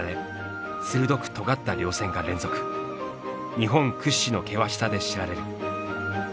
日本屈指の険しさで知られる。